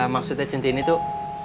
maksudnya centini tuh